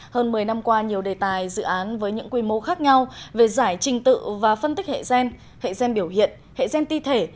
hơn một mươi năm qua nhiều đề tài dự án với những quy mô khác nhau về giải trình tự và phân tích hệ gen hệ gen biểu hiện hệ gen ti thể